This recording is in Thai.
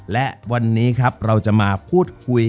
และวันนี้ครับเราจะมาพูดคุย